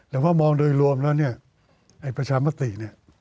แต่ว่ามองโดยรวมเนี่ยในประชามาติ